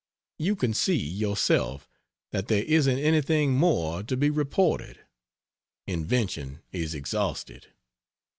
You can see, yourself, that there isn't anything more to be reported invention is exhausted.